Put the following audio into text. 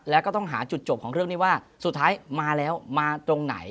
แล้วก็ต้องหาจุดจบของเรื่องนี้ว่าสุดท้ายมาแล้วมาตรงไหน